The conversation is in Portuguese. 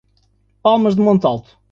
Palmas de Monte Alto